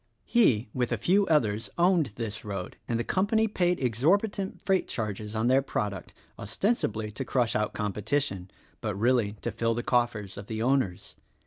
He, with a few others, owned this road; and the com pany paid exorbitant freight charges on their product, ostensibly to crush out competition, but really to fill the coffers of the owners.